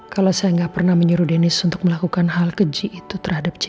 kalau saya gak pernah menyuruh dennis untuk melakukan hal keji itu terhadap jesus